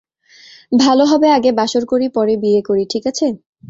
ভালো হবে আগে বাসর করি পরে বিয়ে করি, ঠিক আছে?